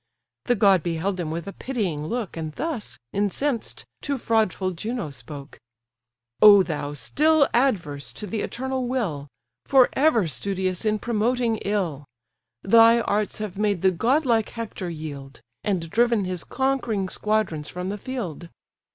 The god beheld him with a pitying look, And thus, incensed, to fraudful Juno spoke: "O thou, still adverse to the eternal will, For ever studious in promoting ill! Thy arts have made the godlike Hector yield, And driven his conquering squadrons from the field.